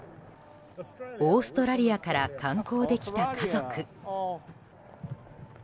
オーストラリアから観光で来た家族。